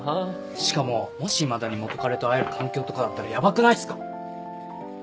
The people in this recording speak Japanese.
しかももしいまだに元カレと会える環境とかだったらヤバくないっすか？